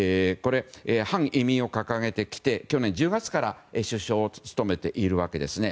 反移民を掲げてきて去年１０月から首相を務めているわけですね。